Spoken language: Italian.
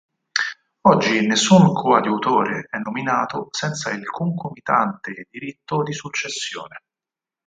Oggi nessun coadiutore è nominato senza il concomitante diritto di successione.